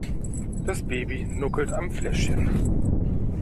Das Baby nuckelt am Fläschchen.